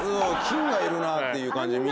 菌がいるなっていう感じで。